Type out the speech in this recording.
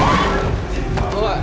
おい！